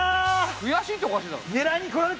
くやしいっておかしいだろ。